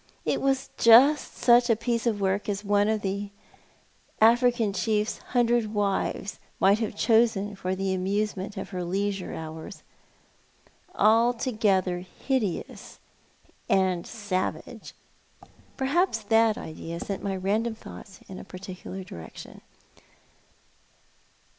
It was just such a piece of work as one of an African chief's hundred wives might have chosen for the amusement of her leisure hours: altogether hideous an'"'' savage. Perhaps that idea sent my random thoughts in a particular direction.